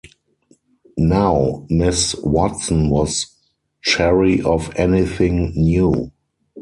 Now, Miss Watson was chary of anything new.